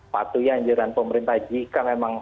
patuhi anjuran pemerintah jika memang